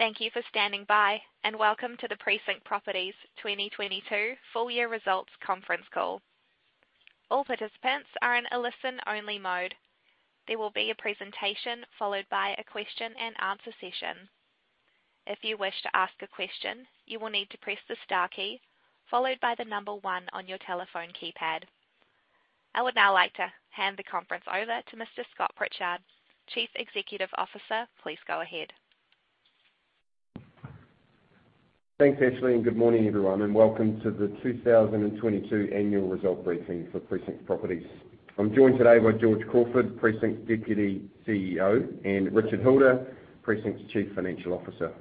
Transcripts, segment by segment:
Thank you for standing by and welcome to the Precinct Properties 2022 Full Year Results Conference Call. All participants are in a listen-only mode. There will be a presentation followed by a question-and-answer session. If you wish to ask a question, you will need to press the star key followed by the number one on your telephone keypad. I would now like to hand the conference over to Mr. Scott Pritchard, Chief Executive Officer. Please go ahead. Thanks, Ashley, and good morning, everyone, and welcome to the 2022 Annual Result Briefing for Precinct Properties. I'm joined today by George Crawford, Precinct Deputy CEO, and Richard Hilder, Precinct's Chief Financial Officer.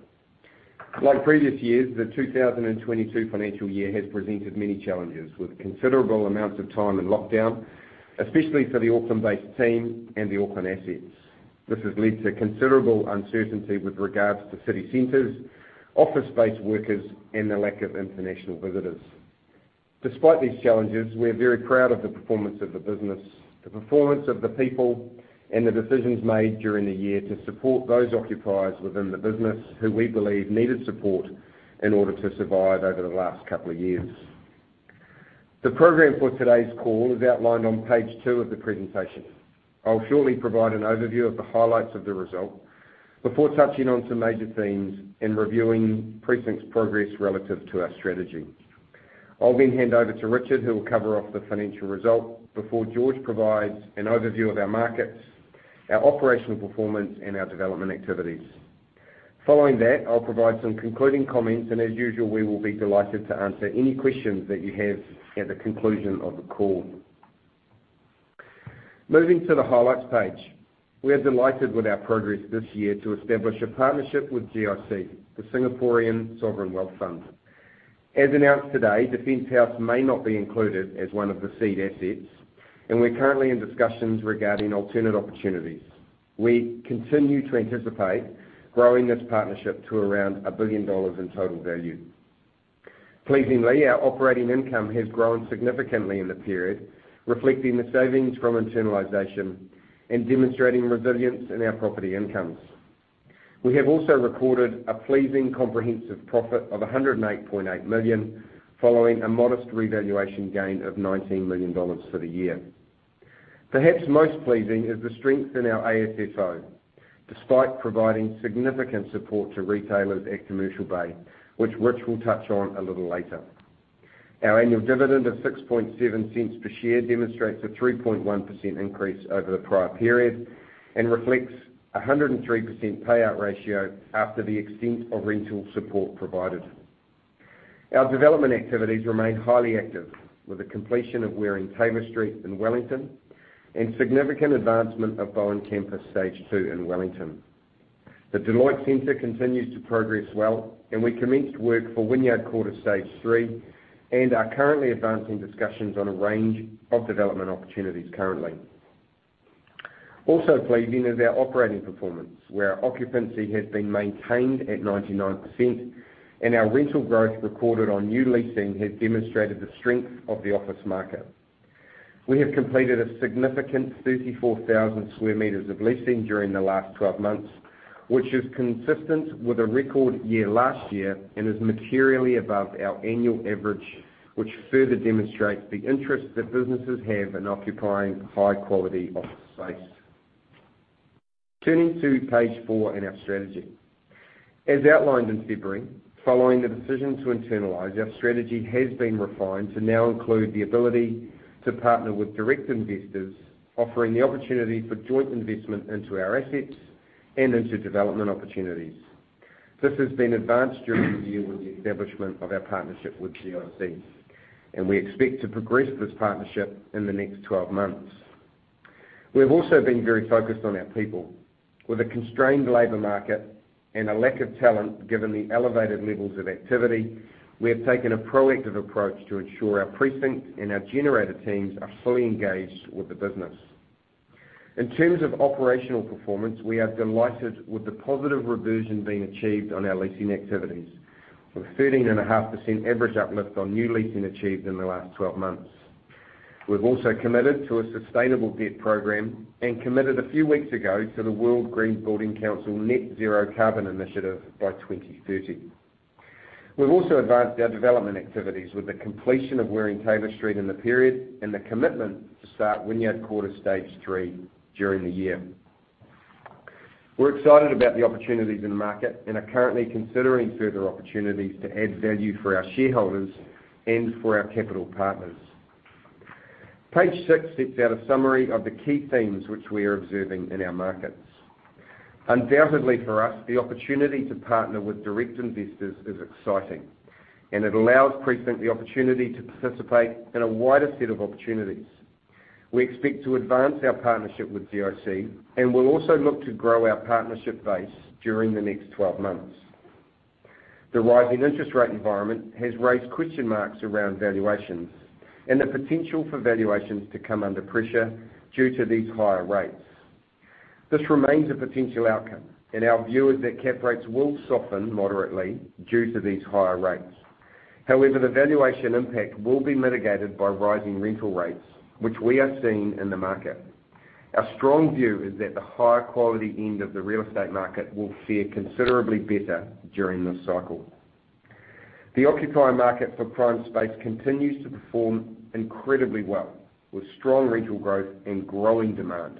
Like previous years, the 2022 financial year has presented many challenges with considerable amounts of time in lockdown, especially for the Auckland-based team and the Auckland assets. This has led to considerable uncertainty with regards to city centers, office-based workers, and the lack of international visitors. Despite these challenges, we are very proud of the performance of the business, the performance of the people, and the decisions made during the year to support those occupiers within the business who we believe needed support in order to survive over the last couple of years. The program for today's call is outlined on page 2 of the presentation. I'll shortly provide an overview of the highlights of the result before touching on some major themes and reviewing Precinct's progress relative to our strategy. I'll then hand over to Richard, who will cover off the financial result, before George provides an overview of our markets, our operational performance, and our development activities. Following that, I'll provide some concluding comments, and as usual, we will be delighted to answer any questions that you have at the conclusion of the call. Moving to the highlights page, we are delighted with our progress this year to establish a partnership with GIC, the Singaporean Sovereign Wealth Fund. As announced today, Defence House may not be included as one of the seed assets, and we're currently in discussions regarding alternative opportunities. We continue to anticipate growing this partnership to around 1 billion dollars in total value. Pleasingly, our operating income has grown significantly in the period, reflecting the savings from internalization and demonstrating resilience in our property incomes. We have also recorded a pleasing comprehensive profit of 108.8 million following a modest revaluation gain of 19 million dollars for the year. Perhaps most pleasing is the strength in our AFFO, despite providing significant support to retailers at Commercial Bay, which Rich will touch on a little later. Our annual dividend of 0.067 per share demonstrates a 3.1% increase over the prior period and reflects a 103% payout ratio after the extent of rental support provided. Our development activities remain highly active, with the completion of Waring Taylor Street in Wellington and significant advancement of Bowen Campus Stage 2 in Wellington. The Deloitte Centre continues to progress well, and we commenced work for Wynyard Quarter Stage 3 and are currently advancing discussions on a range of development opportunities currently. Also pleasing is our operating performance, where occupancy has been maintained at 99%, and our rental growth recorded on new leasing has demonstrated the strength of the office market. We have completed a significant 34,000 square meters of leasing during the last 12 months, which is consistent with a record year last year and is materially above our annual average, which further demonstrates the interest that businesses have in occupying high-quality office space. Turning to page 4 in our strategy, as outlined in February, following the decision to internalise, our strategy has been refined to now include the ability to partner with direct investors, offering the opportunity for joint investment into our assets and into development opportunities. This has been advanced during the year with the establishment of our partnership with GIC, and we expect to progress this partnership in the next 12 months. We have also been very focused on our people. With a constrained labor market and a lack of talent given the elevated levels of activity, we have taken a proactive approach to ensure our Precinct and our Generator teams are fully engaged with the business. In terms of operational performance, we are delighted with the positive reversion being achieved on our leasing activities, with a 13.5% average uplift on new leasing achieved in the last 12 months. We've also committed to a sustainable debt program and committed a few weeks ago to the World Green Building Council Net Zero Carbon Initiative by 2030. We've also advanced our development activities with the completion of Waring Taylor Street in the period and the commitment to start Wynyard Quarter Stage 3 during the year. We're excited about the opportunities in the market and are currently considering further opportunities to add value for our shareholders and for our capital partners. Page 6 sets out a summary of the key themes which we are observing in our markets. Undoubtedly, for us, the opportunity to partner with direct investors is exciting, and it allows Precinct the opportunity to participate in a wider set of opportunities. We expect to advance our partnership with GIC, and we'll also look to grow our partnership base during the next 12 months. The rising interest rate environment has raised question marks around valuations and the potential for valuations to come under pressure due to these higher rates. This remains a potential outcome, and our view is that cap rates will soften moderately due to these higher rates. However, the valuation impact will be mitigated by rising rental rates, which we are seeing in the market. Our strong view is that the higher quality end of the real estate market will fare considerably better during this cycle. The occupier market for prime space continues to perform incredibly well, with strong rental growth and growing demand.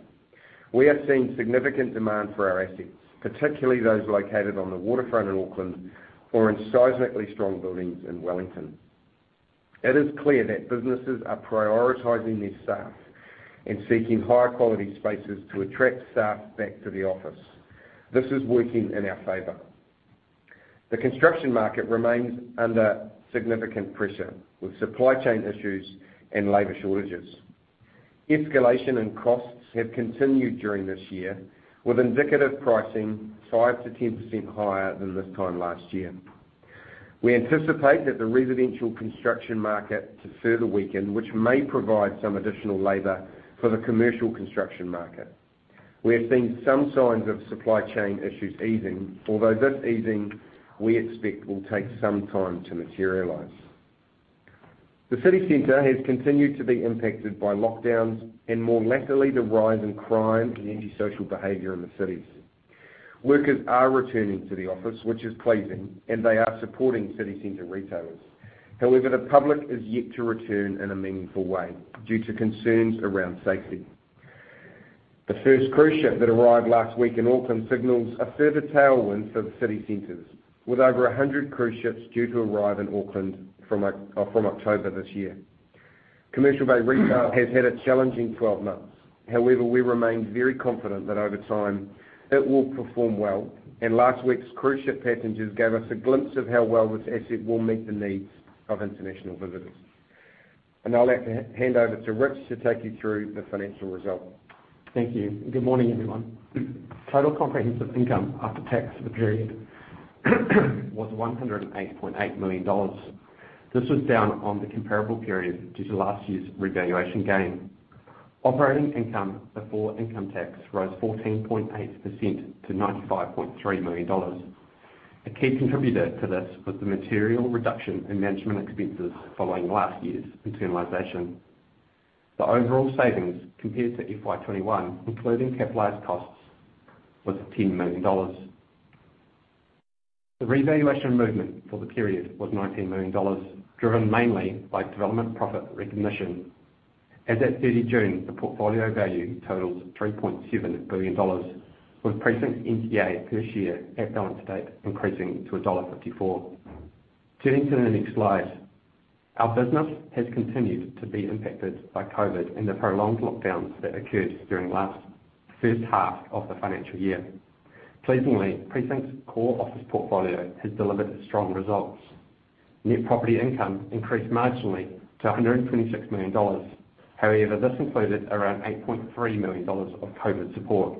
We are seeing significant demand for our assets, particularly those located on the waterfront in Auckland or in seismically strong buildings in Wellington. It is clear that businesses are prioritizing their staff and seeking higher quality spaces to attract staff back to the office. This is working in our favor. The construction market remains under significant pressure, with supply chain issues and labor shortages. Escalation in costs has continued during this year, with indicative pricing 5%-10% higher than this time last year. We anticipate that the residential construction market to further weaken, which may provide some additional labor for the commercial construction market. We are seeing some signs of supply chain issues easing, although this easing, we expect, will take some time to materialize. The city center has continued to be impacted by lockdowns and, more lately, the rise in crime and antisocial behavior in the cities. Workers are returning to the office, which is pleasing, and they are supporting city center retailers. However, the public is yet to return in a meaningful way due to concerns around safety. The first cruise ship that arrived last week in Auckland signals a further tailwind for the city centers, with over 100 cruise ships due to arrive in Auckland from October this year. Commercial Bay retail has had a challenging 12 months. However, we remain very confident that over time it will perform well, and last week's cruise ship passengers gave us a glimpse of how well this asset will meet the needs of international visitors. I'll have to hand over to Richard to take you through the financial result. Thank you. Good morning, everyone. Total comprehensive income after tax for the period was 108.8 million dollars. This was down on the comparable period due to last year's revaluation gain. Operating income before income tax rose 14.8% to 95.3 million dollars. A key contributor to this was the material reduction in management expenses following last year's internalization. The overall savings compared to FY 2021, including capitalized costs, was 10 million dollars. The revaluation movement for the period was 19 million dollars, driven mainly by development profit recognition. As of 30 June, the portfolio value totals 3.7 billion dollars, with Precinct NTA per share at balance date increasing to dollar 1.54. Turning to the next slide, our business has continued to be impacted by COVID and the prolonged lockdowns that occurred during the first half of the financial year. Pleasingly, Precinct's core office portfolio has delivered strong results. Net property income increased marginally to 126 million dollars. However, this included around 8.3 million dollars of COVID support.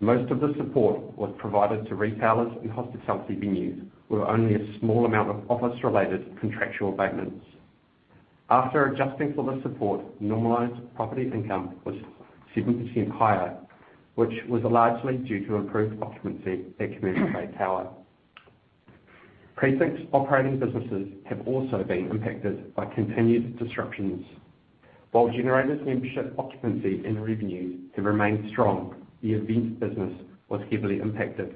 Most of this support was provided to retailers and hospitality venues with only a small amount of office-related contractual abatements. After adjusting for this support, normalized property income was 7% higher, which was largely due to improved occupancy at Commercial Bay Tower. Precinct's operating businesses have also been impacted by continued disruptions. While Generator's membership occupancy and revenues have remained strong, the event business was heavily impacted.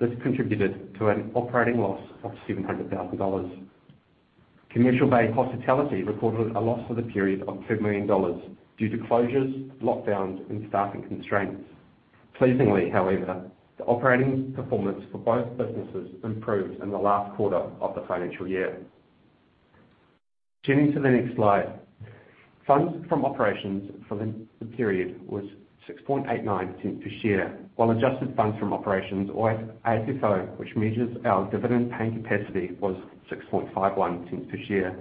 This contributed to an operating loss of 700,000 dollars. Commercial Bay Hospitality recorded a loss for the period of 2 million dollars due to closures, lockdowns, and staffing constraints. Pleasingly, however, the operating performance for both businesses improved in the last quarter of the financial year. Turning to the next slide, funds from operations for the period was 0.0689 per share, while adjusted funds from operations, or AFFO, which measures our dividend paying capacity, was 0.0651 per share.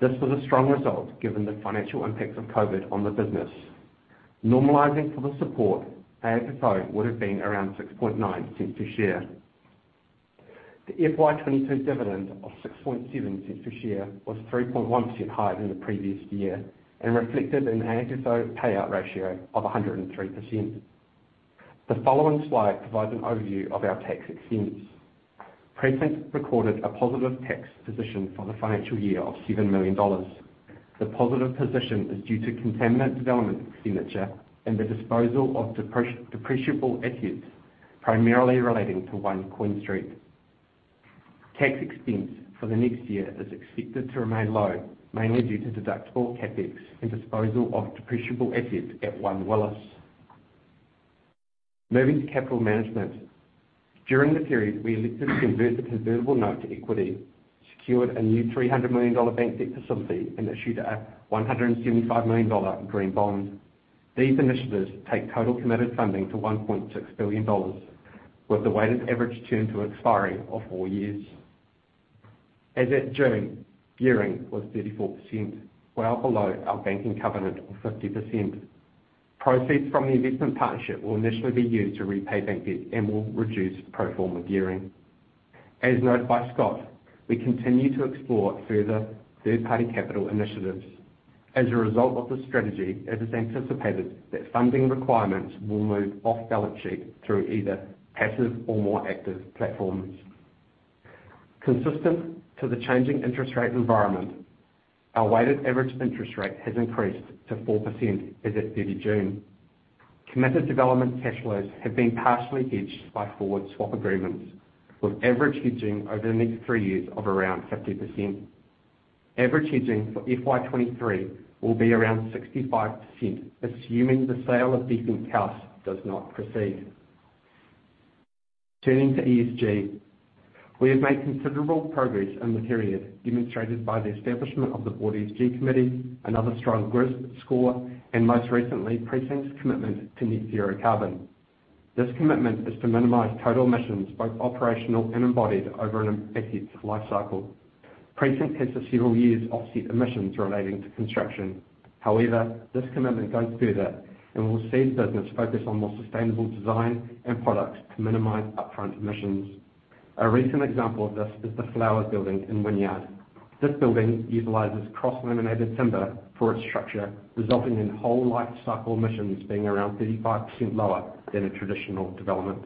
This was a strong result given the financial impacts of COVID on the business. Normalizing for the support, AFFO would have been around 0.069 per share. The FY 2022 dividend of 0.067 per share was 3.1% higher than the previous year and reflected in AFFO payout ratio of 103%. The following slide provides an overview of our tax expense. Precinct recorded a positive tax position for the financial year of 7 million dollars. The positive position is due to continued development expenditure and the disposal of depreciable assets, primarily relating to One Queen Street. Tax expense for the next year is expected to remain low, mainly due to deductible CapEx and disposal of depreciable assets at One Willis. Moving to capital management, during the period we elected to convert the convertible note to equity, secured a new 300 million dollar bank debt facility, and issued a 175 million dollar green bond. These initiatives take total committed funding to 1.6 billion dollars, with the weighted average term to expiry of four years. As of June, gearing was 34%, well below our banking covenant of 50%. Proceeds from the investment partnership will initially be used to repay bank debt and will reduce pro forma gearing. As noted by Scott, we continue to explore further third-party capital initiatives. As a result of the strategy, it is anticipated that funding requirements will move off balance sheet through either passive or more active platforms. Consistent with the changing interest rate environment, our weighted average interest rate has increased to 4% as of 30 June. Committed development cash flows have been partially hedged by forward swap agreements, with average hedging over the next three years of around 50%. Average hedging for FY 2023 will be around 65%, assuming the sale of Defence House does not proceed. Turning to ESG, we have made considerable progress in the period, demonstrated by the establishment of the Board ESG Committee, another strong GRESB score, and most recently, Precinct's commitment to Net Zero Carbon. This commitment is to minimize total emissions, both operational and embodied, over an asset's life cycle. Precinct has for several years offset emissions relating to construction. However, this commitment goes further and will see the business focus on more sustainable design and products to minimize upfront emissions. A recent example of this is the Flowers Building in Wynyard. This building utilizes cross-laminated timber for its structure, resulting in whole lifecycle emissions being around 35% lower than a traditional development.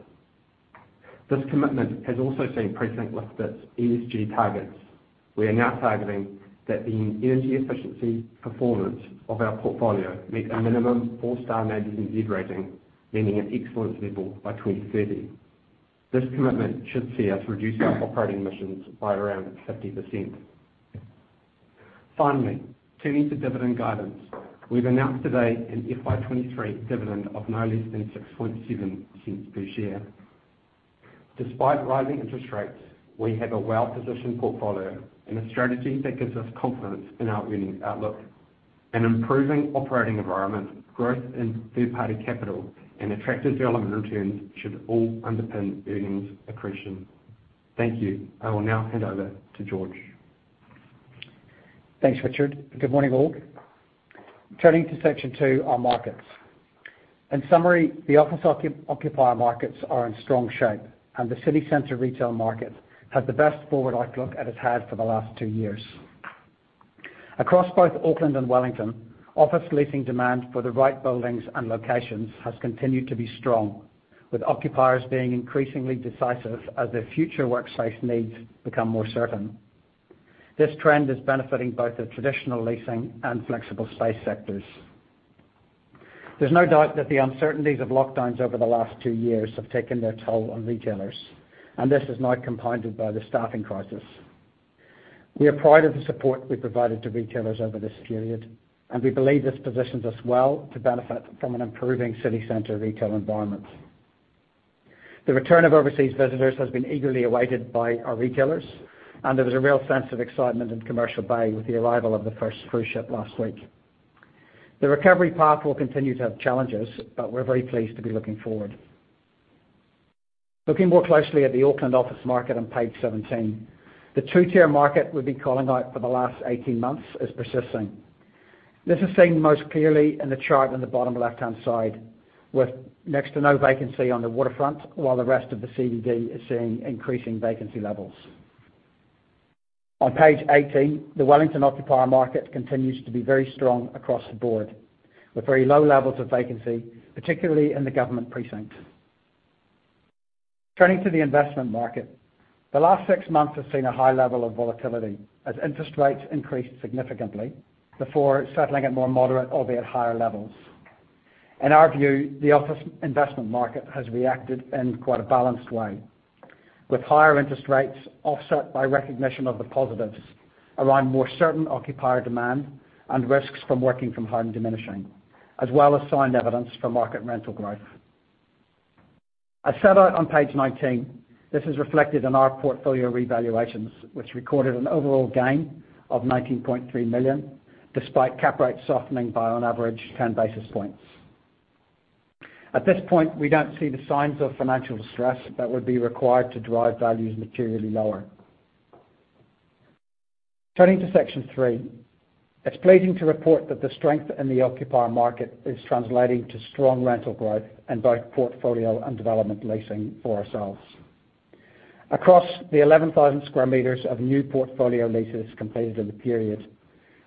This commitment has also seen Precinct lift its ESG targets. We are now targeting that the energy efficiency performance of our portfolio meet a minimum four-star NABERSNZ rating, meaning an excellence level by 2030. This commitment should see us reduce our operating emissions by around 50%. Finally, turning to dividend guidance, we've announced today an FY 2023 dividend of no less than 0.067 per share. Despite rising interest rates, we have a well-positioned portfolio and a strategy that gives us confidence in our earnings outlook. An improving operating environment, growth in third-party capital, and attractive development returns should all underpin earnings accretion. Thank you. I will now hand over to George. Thanks, Richard. Good morning, all. Turning to section 2, our markets. In summary, the office occupier markets are in strong shape, and the city center retail market has the best forward outlook it has had for the last two years. Across both Auckland and Wellington, office leasing demand for the right buildings and locations has continued to be strong, with occupiers being increasingly decisive as their future workspace needs become more certain. This trend is benefiting both the traditional leasing and flexible space sectors. There's no doubt that the uncertainties of lockdowns over the last two years have taken their toll on retailers, and this is now compounded by the staffing crisis. We are proud of the support we've provided to retailers over this period, and we believe this positions us well to benefit from an improving city center retail environment. The return of overseas visitors has been eagerly awaited by our retailers, and there was a real sense of excitement in Commercial Bay with the arrival of the first cruise ship last week. The recovery path will continue to have challenges, but we're very pleased to be looking forward. Looking more closely at the Auckland office market on page 17, the two-tier market we've been calling out for the last 18 months is persisting. This is seen most clearly in the chart on the bottom left-hand side, with next to no vacancy on the waterfront while the rest of the CBD is seeing increasing vacancy levels. On page 18, the Wellington occupier market continues to be very strong across the board, with very low levels of vacancy, particularly in the government precinct. Turning to the investment market, the last six months have seen a high level of volatility as interest rates increased significantly before settling at more moderate or at higher levels. In our view, the office investment market has reacted in quite a balanced way, with higher interest rates offset by recognition of the positives around more certain occupier demand and risks from working from home diminishing, as well as signed evidence for market rental growth. As set out on page 19, this is reflected in our portfolio revaluations, which recorded an overall gain of 19.3 million despite cap rate softening by, on average, 10 basis points. At this point, we don't see the signs of financial distress that would be required to drive values materially lower. Turning to section 3, it's pleasing to report that the strength in the occupier market is translating to strong rental growth in both portfolio and development leasing for ourselves. Across the 11,000 square meters of new portfolio leases completed in the period,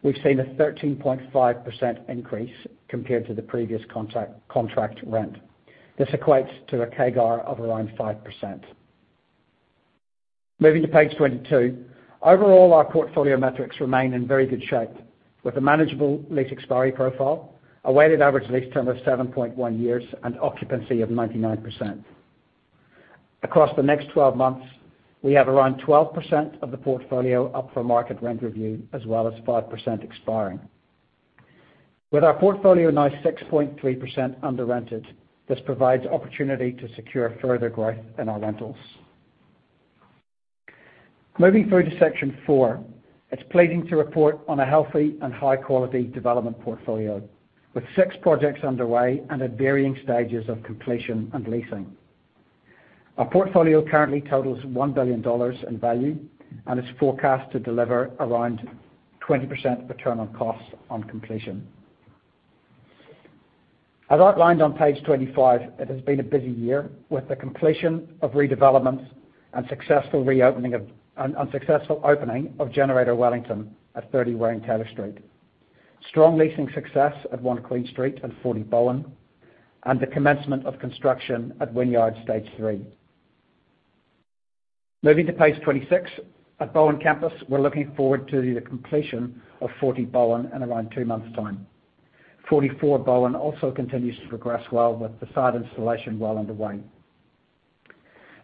we've seen a 13.5% increase compared to the previous contract rent. This equates to a CAGR of around 5%. Moving to page 22, overall our portfolio metrics remain in very good shape, with a manageable lease expiry profile, a weighted average lease term of 7.1 years, and occupancy of 99%. Across the next 12 months, we have around 12% of the portfolio up for market rent review as well as 5% expiring. With our portfolio now 6.3% under-rented, this provides opportunity to secure further growth in our rentals. Moving through to section four, it's pleasing to report on a healthy and high-quality development portfolio, with six projects underway and at varying stages of completion and leasing. Our portfolio currently totals 1 billion dollars in value and is forecast to deliver around 20% return on costs on completion. As outlined on page 25, it has been a busy year with the completion of redevelopment and successful opening of Generator Wellington at 30 Waring Taylor Street, strong leasing success at One Queen Street and 40 Bowen, and the commencement of construction at Wynyard stage three. Moving to page 26, at Bowen campus, we're looking forward to the completion of 40 Bowen in around two months' time. 44 Bowen also continues to progress well, with the site installation well underway.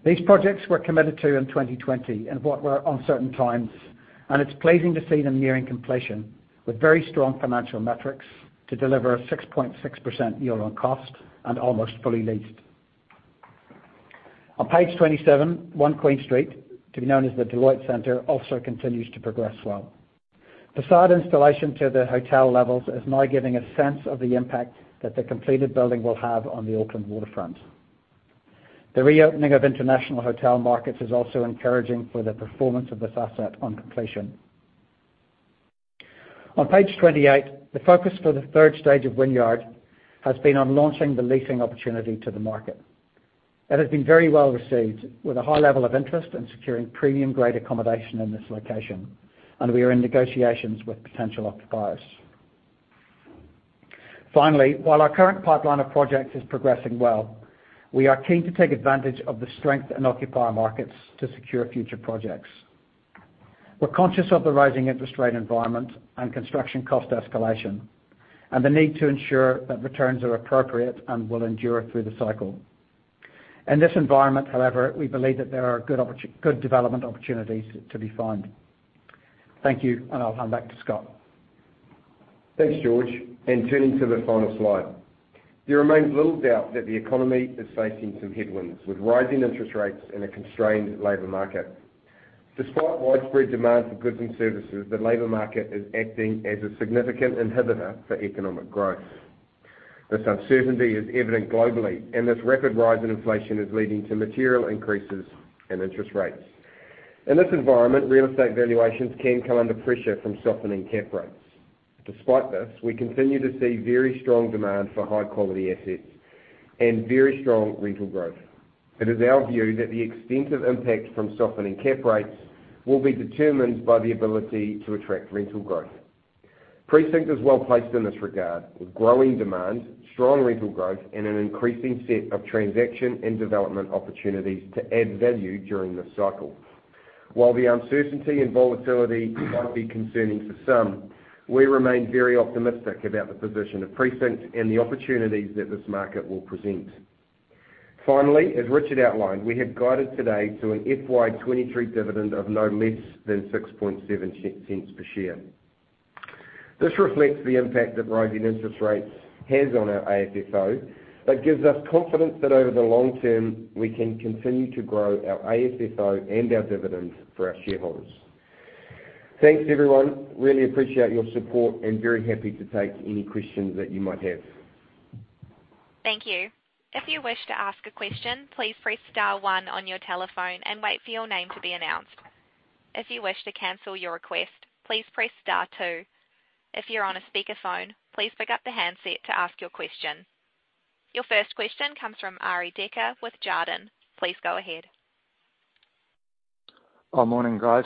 These projects were committed to in 2020 in what were uncertain times, and it's pleasing to see them nearing completion with very strong financial metrics to deliver a 6.6% yield on cost and almost fully leased. On page 27, One Queen Street, to be known as the Deloitte Centre, also continues to progress well. The site installation to the hotel levels is now giving a sense of the impact that the completed building will have on the Auckland waterfront. The reopening of international hotel markets is also encouraging for the performance of this asset on completion. On page 28, the focus for the third stage of Wynyard has been on launching the leasing opportunity to the market. It has been very well received, with a high level of interest in securing premium-grade accommodation in this location, and we are in negotiations with potential occupiers. Finally, while our current pipeline of projects is progressing well, we are keen to take advantage of the strength in occupier markets to secure future projects. We're conscious of the rising interest rate environment and construction cost escalation, and the need to ensure that returns are appropriate and will endure through the cycle. In this environment, however, we believe that there are good development opportunities to be found. Thank you, and I'll hand back to Scott. Thanks, George. Turning to the final slide, there remains little doubt that the economy is facing some headwinds with rising interest rates and a constrained labor market. Despite widespread demand for goods and services, the labor market is acting as a significant inhibitor for economic growth. This uncertainty is evident globally, and this rapid rise in inflation is leading to material increases in interest rates. In this environment, real estate valuations can come under pressure from softening cap rates. Despite this, we continue to see very strong demand for high-quality assets and very strong rental growth. It is our view that the extent of impact from softening cap rates will be determined by the ability to attract rental growth. Precinct is well placed in this regard, with growing demand, strong rental growth, and an increasing set of transaction and development opportunities to add value during this cycle. While the uncertainty and volatility might be concerning for some, we remain very optimistic about the position of Precinct and the opportunities that this market will present. Finally, as Richard outlined, we have guided today to an FY 2023 dividend of no less than 0.067 per share. This reflects the impact that rising interest rates has on our AFFO, but gives us confidence that over the long term we can continue to grow our AFFO and our dividends for our shareholders. Thanks, everyone. Really appreciate your support and very happy to take any questions that you might have. Thank you. If you wish to ask a question, please press star one on your telephone and wait for your name to be announced. If you wish to cancel your request, please press star two. If you're on a speakerphone, please pick up the handset to ask your question. Your first question comes from Arie Dekker with Jarden. Please go ahead. Morning, guys.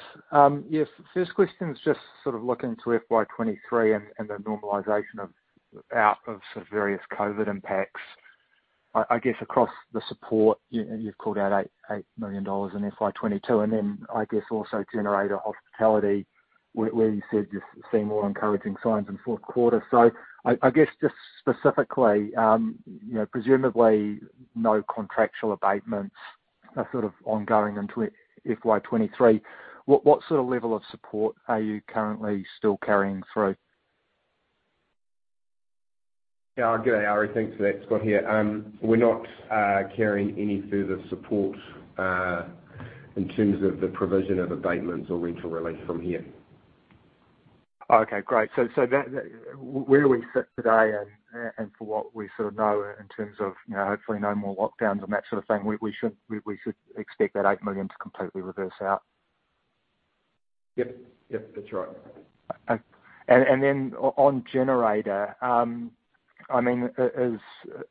Yes, first question's just sort of looking to FY 2023 and the normalization out of sort of various COVID impacts. I guess across the support, you've called out 8 million dollars in FY 2022, and then I guess also Generator hospitality where you said you've seen more encouraging signs in fourth quarter. I guess just specifically, presumably no contractual abatements are sort of ongoing into FY 2023. What sort of level of support are you currently still carrying through? Yeah, good day, Arie. Thanks for that, Scott, here. We're not carrying any further support in terms of the provision of abatements or rental relief from here. Okay, great. Where we sit today and for what we sort of know in terms of hopefully no more lockdowns and that sort of thing, we should expect that 8 million to completely reverse out. Yep, that's right. On Generator, I mean, is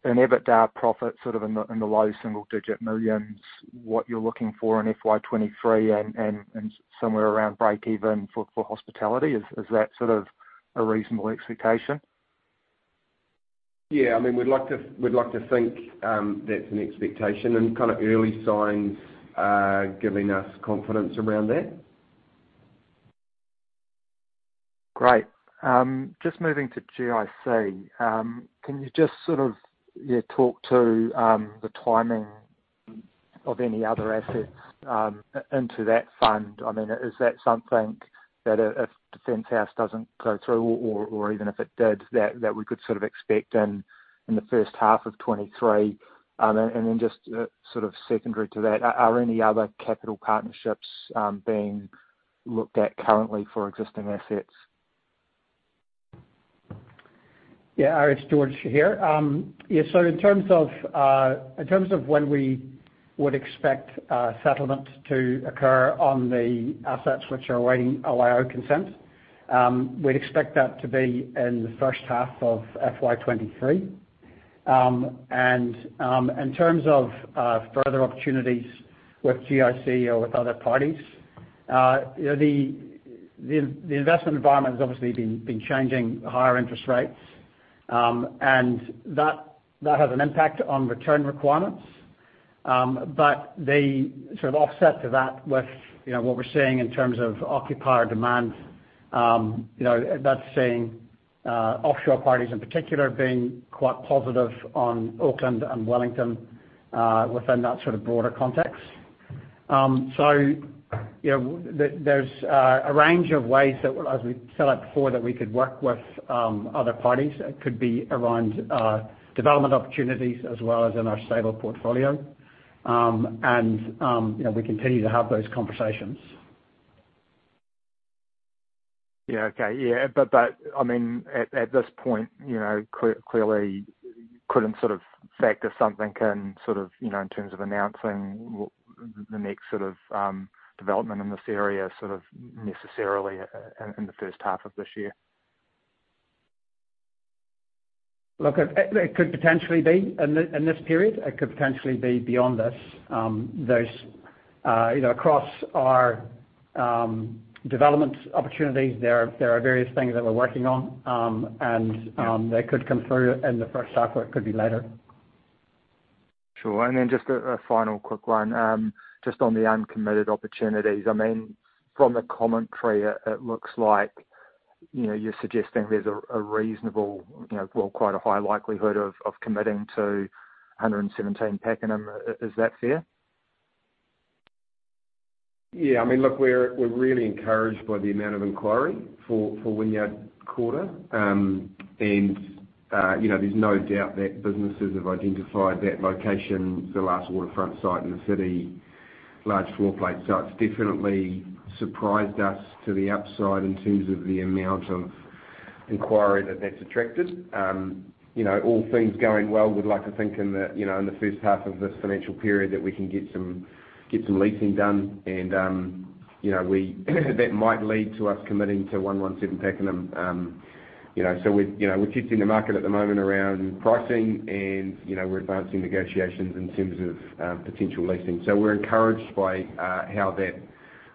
an EBITDA profit sort of in the low single-digit millions what you're looking for in FY 2023 and somewhere around break-even for hospitality? Is that sort of a reasonable expectation? Yeah, I mean, we'd like to think that's an expectation and kind of early signs giving us confidence around that. Great. Just moving to GIC, can you just sort of talk to the timing of any other assets into that fund? I mean, is that something that if Defence House doesn't go through or even if it did, that we could expect in the first half of 2023? Just sort of secondary to that, are any other capital partnerships being looked at currently for existing assets? Yeah, Arie, it's George here. Yeah, so in terms of when we would expect settlement to occur on the assets which are awaiting OIO consent, we'd expect that to be in the first half of FY 2023. In terms of further opportunities with GIC or with other parties, the investment environment has obviously been changing, higher interest rates, and that has an impact on return requirements. The sort of offset to that with what we're seeing in terms of occupier demand, that's seeing offshore parties in particular being quite positive on Auckland and Wellington within that sort of broader context. There's a range of ways that, as we set out before, that we could work with other parties. It could be around development opportunities as well as in our stable portfolio. We continue to have those conversations. Yeah, okay. Yeah, I mean, at this point, clearly, couldn't sort of factor something in sort of in terms of announcing the next sort of development in this area necessarily in the first half of this year. Look, it could potentially be in this period. It could potentially be beyond this. Across our development opportunities, there are various things that we're working on, and they could come through in the first half, or it could be later. Sure. Just a final quick one, just on the uncommitted opportunities. I mean, from the commentary, it looks like you're suggesting there's a reasonable, well, quite a high likelihood of committing to 117 Pakenham. Is that fair? Yeah, I mean, look, we're really encouraged by the amount of inquiry for Wynyard Quarter. There's no doubt that businesses have identified that location, the last waterfront site in the city, large floorplate sites. It's definitely surprised us to the upside in terms of the amount of inquiry that that's attracted. All things going well, we'd like to think in the first half of this financial period that we can get some leasing done, and that might lead to us committing to 117 Pakenham. We're testing the market at the moment around pricing, and we're advancing negotiations in terms of potential leasing. We're encouraged by how that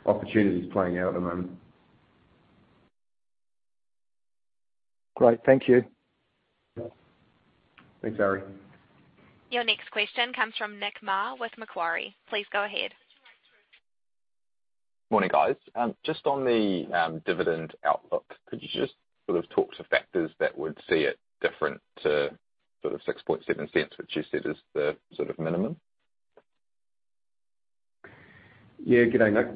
opportunity's playing out at the moment. Great. Thank you. Thanks, Arie. Your next question comes from Nick Mar with Macquarie. Please go ahead. Morning, guys. Just on the dividend outlook, could you just sort of talk to factors that would see it different to sort of 0.067, which you said is the sort of minimum? Yeah, good day, Nick.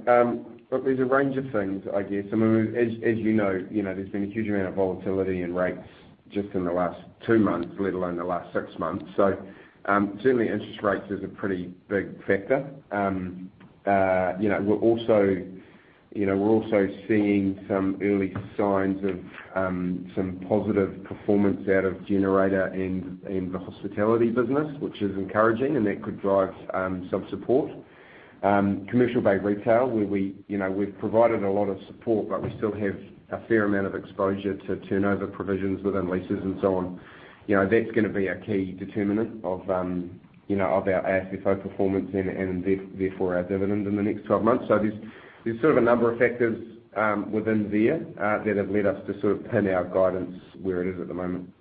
Look, there's a range of things, I guess. I mean, as you know, there's been a huge amount of volatility in rates just in the last two months, let alone the last six months. Certainly, interest rates is a pretty big factor. We're also seeing some early signs of some positive performance out of Generator and the hospitality business, which is encouraging, and that could drive some support. Commercial Bay retail, where we've provided a lot of support, but we still have a fair amount of exposure to turnover provisions within leases and so on, that's going to be a key determinant of our AFFO performance and therefore our dividend in the next 12 months. There's sort of a number of factors within there that have led us to sort of pin our guidance where it is at the moment.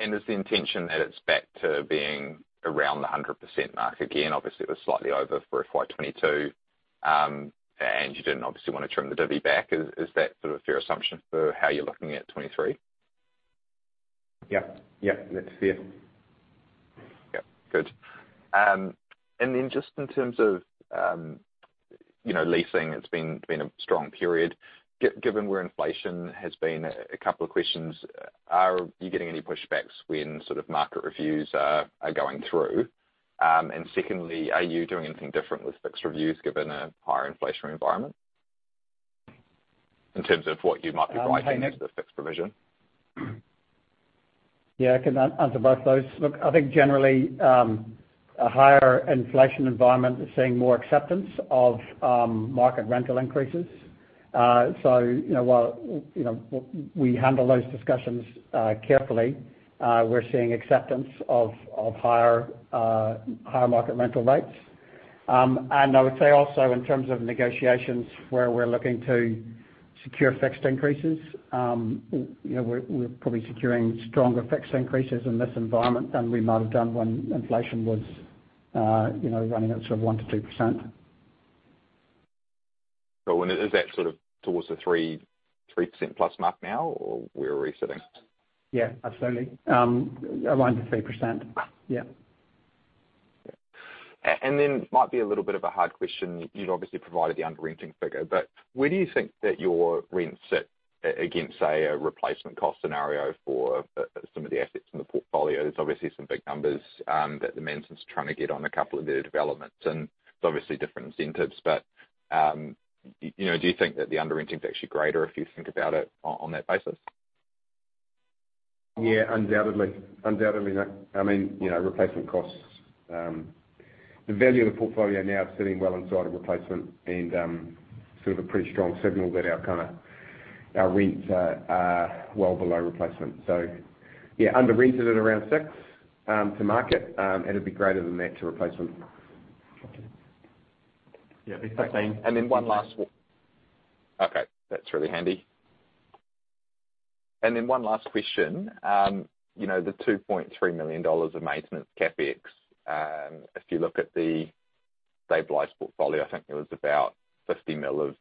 Is the intention that it's back to being around the 100% mark again? Obviously, it was slightly over for FY 2022, and you didn't obviously want to trim the divvy back. Is that sort of a fair assumption for how you're looking at 2023? Yep, yep, that's fair. Yep, good. Just in terms of leasing, it's been a strong period. Given where inflation has been, a couple of questions. Are you getting any pushbacks when sort of market reviews are going through? Secondly, are you doing anything different with fixed reviews given a higher inflationary environment in terms of what you might be writing as the fixed provision? Yeah, I can answer both those. Look, I think generally, a higher inflation environment is seeing more acceptance of market rental increases. While we handle those discussions carefully, we're seeing acceptance of higher market rental rates. I would say also in terms of negotiations where we're looking to secure fixed increases, we're probably securing stronger fixed increases in this environment than we might have done when inflation was running at sort of 1%-2%. Is that sort of towards the 3%+ mark now, or where are we sitting? Yeah, absolutely. Around the 3%, yeah. Might be a little bit of a hard question. You've obviously provided the under-renting figure, but where do you think that your rents sit against, say, a replacement cost scenario for some of the assets in the portfolio? There's obviously some big numbers that the Mansons are trying to get on a couple of their developments, and there's obviously different incentives. Do you think that the under-renting's actually greater if you think about it on that basis? Yeah, undoubtedly. Undoubtedly, Nick. I mean, replacement costs, the value of the portfolio now is sitting well inside of replacement and sort of a pretty strong signal that our rents are well below replacement. Yeah, under-rented at around 6% to market, and it'd be greater than that to replacement. Yeah, exactly. Okay, that's really handy. One last question. The 2.3 million dollars of maintenance CapEx, if you look at the Stable Life portfolio, I think there was about 50 million of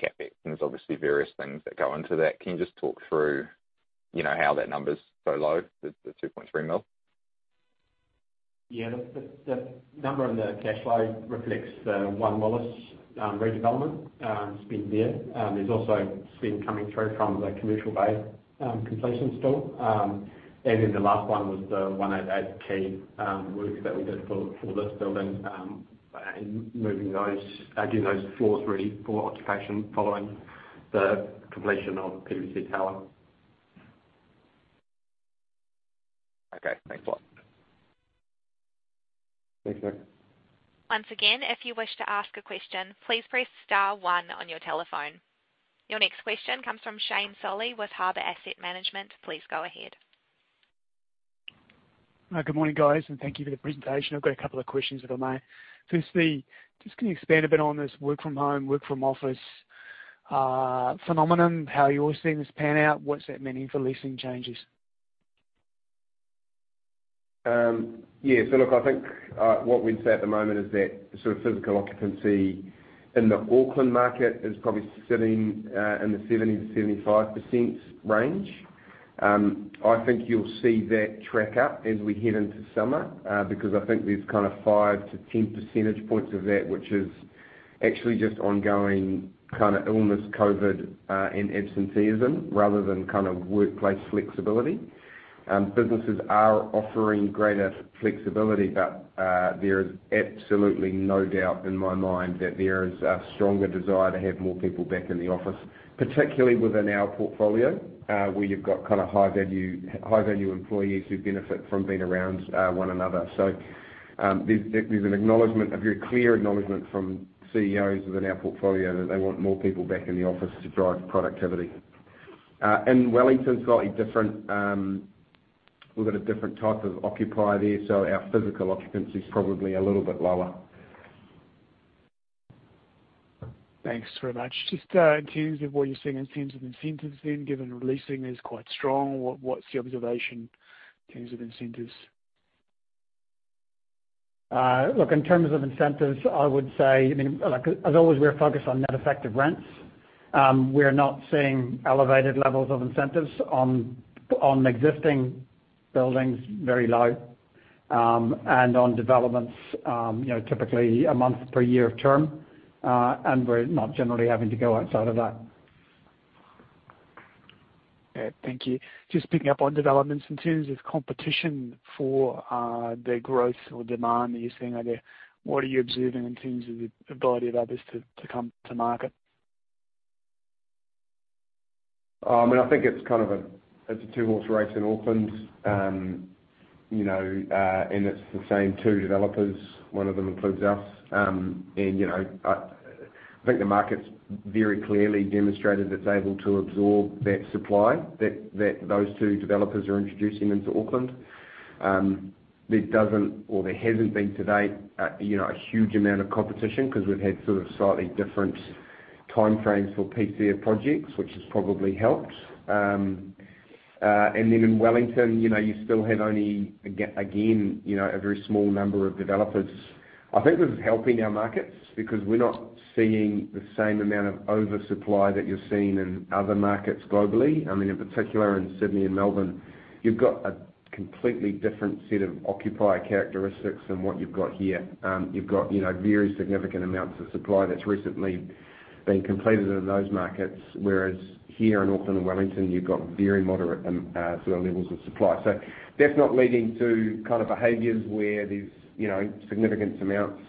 CapEx, and there's obviously various things that go into that. Can you just talk through how that number's so low, the 2.3 million? Yeah, the number in the cash flow reflects One Willis redevelopment spend there. There's also spend coming through from the Commercial Bay completion still. Then the last one was the 188 Quay Street work that we did for this building and moving those, getting those floors ready for occupation following the completion of PwC Tower. Okay, thanks a lot. Thanks, Nick. Once again, if you wish to ask a question, please press star one on your telephone. Your next question comes from Shane Solly with Harbour Asset Management. Please go ahead. Good morning, guys, and thank you for the presentation. I've got a couple of questions, if I may. Firstly, just can you expand a bit on this work-from-home, work-from-office phenomenon, how you're seeing this pan out? What's that meaning for leasing changes? Yeah, look, I think what we'd say at the moment is that sort of physical occupancy in the Auckland market is probably sitting in the 70%-75% range. I think you'll see that track up as we head into summer because I think there's kind of 5-10 percentage points of that, which is actually just ongoing kind of illness, COVID, and absenteeism rather than workplace flexibility. Businesses are offering greater flexibility, but there is absolutely no doubt in my mind that there is a stronger desire to have more people back in the office, particularly within our portfolio where you've got high-value employees who benefit from being around one another. There's an acknowledgment, a very clear acknowledgment from CEOs within our portfolio that they want more people back in the office to drive productivity. In Wellington, slightly different. We've got a different type of occupier there, so our physical occupancy's probably a little bit lower. Thanks very much. Just in terms of what you're seeing in terms of incentives then, given leasing is quite strong, what's the observation in terms of incentives? Look, in terms of incentives, I would say, I mean, as always, we're focused on net effective rents. We're not seeing elevated levels of incentives on existing buildings, very low, and on developments, typically a month per year of term. We're not generally having to go outside of that. Thank you. Just picking up on developments in terms of competition for the growth or demand that you're seeing out there, what are you observing in terms of the ability of others to come to market? I mean, I think it's kind of a two-horse race in Auckland, and it's the same two developers. One of them includes us. I think the market's very clearly demonstrated that's able to absorb that supply that those two developers are introducing into Auckland. There doesn't, or there hasn't been to date, a huge amount of competition because we've had sort of slightly different timeframes for respective projects, which has probably helped. In Wellington, you still have only, again, a very small number of developers. I think this is helping our markets because we're not seeing the same amount of oversupply that you're seeing in other markets globally. In particular, in Sydney and Melbourne, you've got a completely different set of occupier characteristics than what you've got here. You've got very significant amounts of supply that's recently been completed in those markets, whereas here in Auckland and Wellington, you've got very moderate sort of levels of supply. That's not leading to kind of behaviours where there's significant amounts,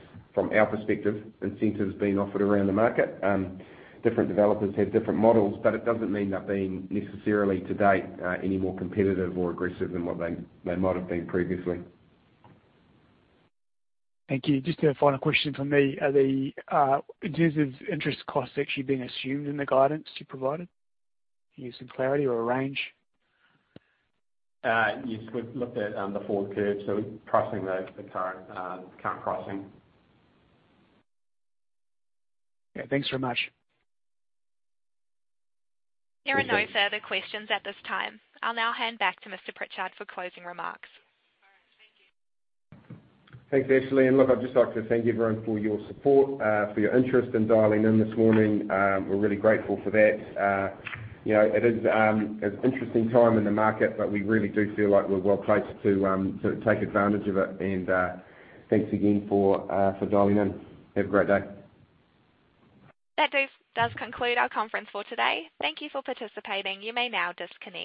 from our perspective, incentives being offered around the market. Different developers have different models, but it doesn't mean they're being necessarily to date any more competitive or aggressive than what they might have been previously. Thank you. Just a final question from me. Are the incentives, interest costs actually being assumed in the guidance you provided? Can you give some clarity or a range? Yes, we've looked at the forward curve, so pricing the current pricing. Yeah, thanks very much. There are no further questions at this time. I'll now hand back to Mr. Pritchard for closing remarks. All right, thank you. Thanks, Ashley. Look, I'd just like to thank everyone for your support, for your interest in dialing in this morning. We're really grateful for that. It is an interesting time in the market, but we really do feel like we're well placed to take advantage of it. Thanks again for dialing in. Have a great day. That does conclude our conference for today. Thank you for participating. You may now disconnect.